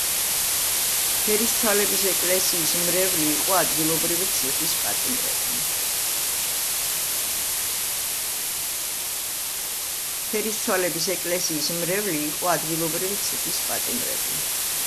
ფერისცვალების ეკლესიის მრევლი იყო ადგილობრივი ციხის პატიმრები.